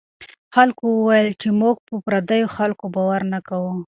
خلکو وویل چې موږ په پردیو خلکو باور نه کوو.